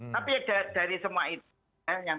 tapi dari semua itu